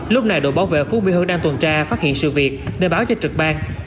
lúc này đội bảo vệ phú mỹ hương đang tuần tra phát hiện sự việc nên báo cho trực ban